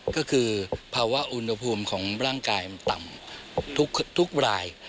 ก็คือภาวะอุณหภูมิของร่างกายมันต่ำทุกราย